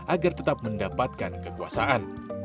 agar tetap mendapatkan kekuasaan